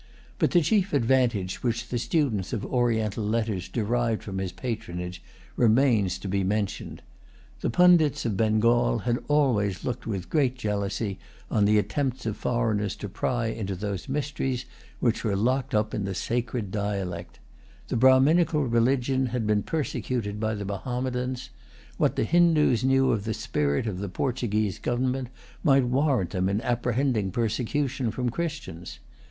But the chief advantage which the students of Oriental letters derived from his patronage remains to be mentioned. The Pundits of Bengal had always looked with great jealousy on the attempts of foreigners to pry into those mysteries which were locked up in the sacred[Pg 200] dialect. The Brahminical religion had been persecuted by the Mahommedans. What the Hindoos knew of the spirit of the Portuguese government might warrant them in apprehending persecution from Christians.